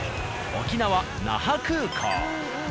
沖縄那覇空港。